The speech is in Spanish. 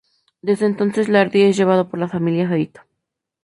Desde entonces Lhardy es llevado por la familia Feito.